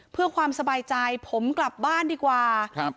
เพื่อความสบายใจผมกลับบ้านดีกว่าครับ